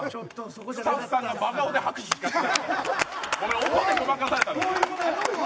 スタッフさんが真顔で拍手しちゃった。